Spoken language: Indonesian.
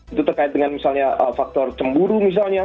itu terkait dengan misalnya faktor cemburu misalnya